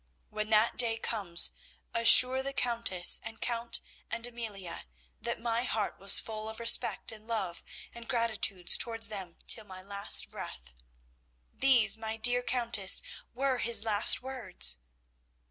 When that day comes, assure the Countess and Count and Amelia that my heart was full of respect and love and gratitude towards them till my last breath.' These, my dear Countess, were his last words."